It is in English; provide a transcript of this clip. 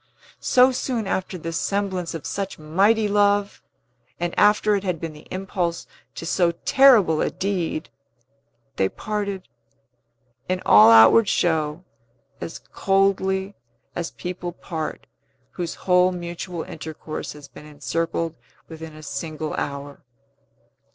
So soon after the semblance of such mighty love, and after it had been the impulse to so terrible a deed, they parted, in all outward show, as coldly as people part whose whole mutual intercourse has been encircled within a single hour.